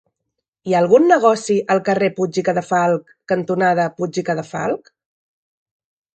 Hi ha algun negoci al carrer Puig i Cadafalch cantonada Puig i Cadafalch?